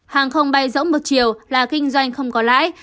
hàng không bay rỗng một chiều là kinh doanh không có lãi